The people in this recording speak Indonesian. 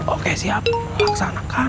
oke siap laksanakan